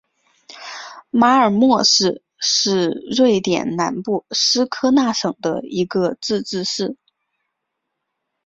马尔默市是瑞典南部斯科讷省的一个自治市。